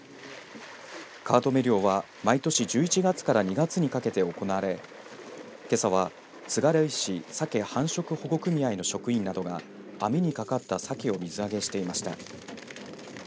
川止め漁は、毎年１１月から２月にかけて行われけさは津軽石さけ繁殖保護組合の職員などが網にかかったさけを水揚げしていました。